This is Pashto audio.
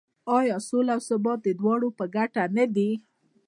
آیا سوله او ثبات د دواړو په ګټه نه دی؟